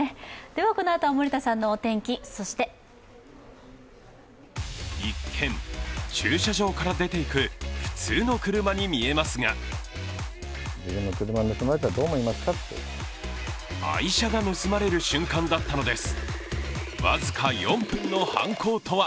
このあとは森田さんのお天気、そして一見、駐車場から出ていく普通の車に見えますが愛車が盗まれる瞬間だったのです。